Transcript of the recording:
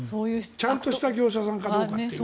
ちゃんとした業者さんかどうかという。